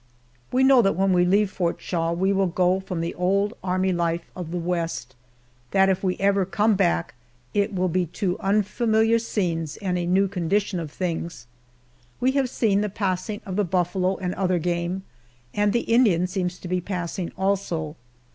We know that when we leave Fort Shaw we will go from the old army life of the West that if we ever come back, it will be to unfamiliar scenes and a new condition of things. We have seen the passing of the buffalo and other game, and the Indian seems to be passing also.